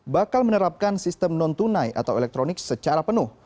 bakal menerapkan sistem non tunai atau elektronik secara penuh